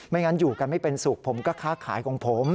งั้นอยู่กันไม่เป็นสุขผมก็ค้าขายของผม